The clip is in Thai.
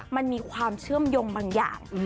มันมีความเชื่อมโยงบางอย่าง